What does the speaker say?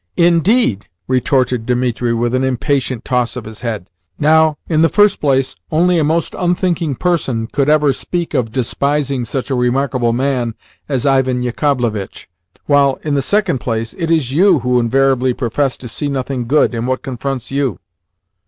"Indeed?" retorted Dimitri with an impatient toss of his head. "Now, in the first place, only a most unthinking person could ever speak of DESPISING such a remarkable man as Ivan Yakovlevitch, while, in the second place, it is YOU who invariably profess to see nothing good in what confronts you."